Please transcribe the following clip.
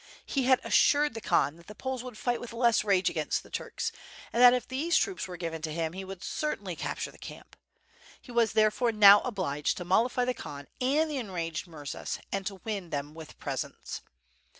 He had assured the Khan that the Poles would fight with less rage against the Turks, and that if these troops were given to him, he would certainly capture the camp. He was, there fore, now obliged to mollify the Khan and the enraged mur zas, and to win them with presents.